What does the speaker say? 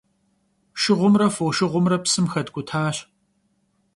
Şşığumre foşşığumre psım xetk'uhaş.